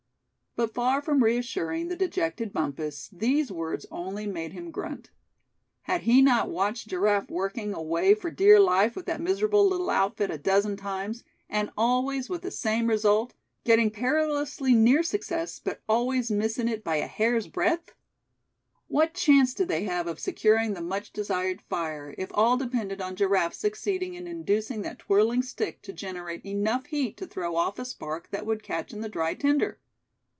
But far from reassuring the dejected Bumpus, these words only made him grunt. Had he not watched Giraffe working away for dear life with that miserable little outfit a dozen times, and always with the same result getting perilously near success, but always missing it by a hair's breadth? What chance did they have of securing the much desired fire, if all depended on Giraffe succeeding in inducing that twirling stick to generate enough heat to throw off a spark that would catch in the dry tinder?